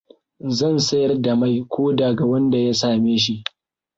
Zan sayar da mai koda ga wanda ya same shi.